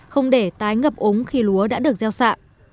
không để tái ngập ống khi lúa đã được gieo xạ